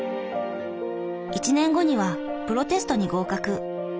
１年後にはプロテストに合格。